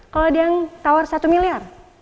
kalau ada yang tawar satu miliar